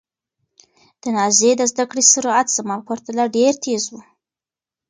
د نازيې د زده کړې سرعت زما په پرتله ډېر تېز و.